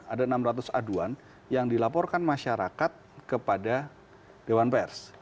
ada enam ratus aduan yang dilaporkan masyarakat kepada dewan pers